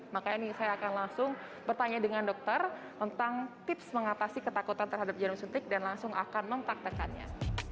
makanya ini saya akan langsung bertanya dengan dokter tentang tips mengatasi ketakutan terhadap jarum suntik dan langsung akan mempraktekannya